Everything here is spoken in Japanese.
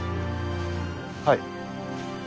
はい。